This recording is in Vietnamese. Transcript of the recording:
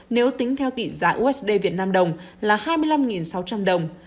nếu tính theo tỷ giá usd việt nam đồng là hai mươi năm sáu trăm linh đồng